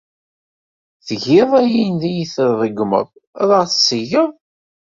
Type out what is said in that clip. Tgiḍ ayen ay tṛeggmeḍ ad aɣ-t-tgeḍ.